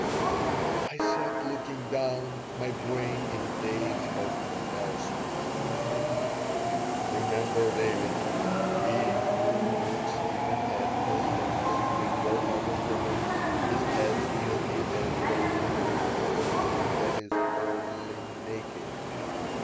I sat, looking down, my brain in a daze of embarrassment "Remember, David, 'He who looks even at the little finger of a woman is as guilty as though he looked at a woman that is wholly naked.'"